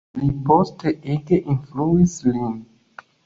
Li poste ege influis lin.